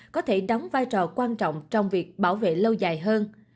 có thể đóng vai trò quan trọng trong việc bảo vệ lâu dài hơn